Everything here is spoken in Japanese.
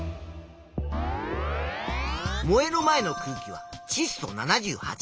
燃える前の空気はちっ素７８％